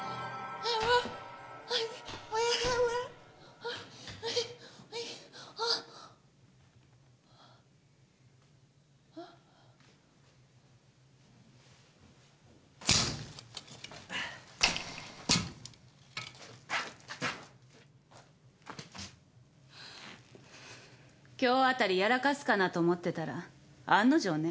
今日あたりやらかすかなと思ってたら案の定ね。